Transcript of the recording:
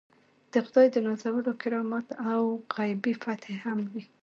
د خدای د نازولو کرامات او غیبي فتحې هم وي.